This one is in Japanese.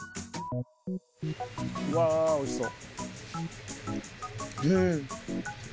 うわおいしそう。